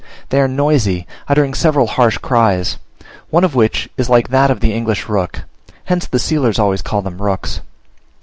They are noisy, uttering several harsh cries, one of which is like that of the English rook, hence the sealers always call them rooks.